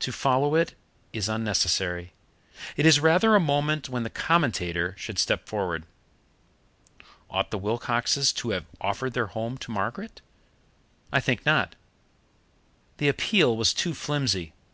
To follow it is unnecessary. It is rather a moment when the commentator should step forward. Ought the Wilcoxes to have offered their home to Margaret? I think not. The appeal was too flimsy.